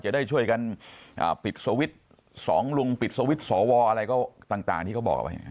จะได้ช่วยกันปิดสวิตช์สองลุงปิดสวิตช์สวอะไรก็ต่างที่เขาบอกไว้